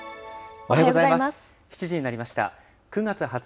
おはようございます。